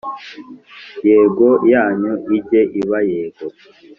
Yego yanyu ijye iba Yego